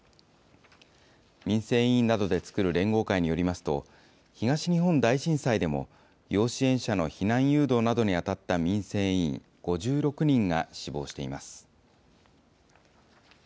民生委員などで作る連合会によりますと、東日本大震災でも要支援者の避難誘導などに当たった民生委員５６人が死亡しています。